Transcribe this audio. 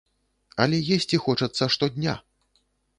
Але есці хочацца штодня.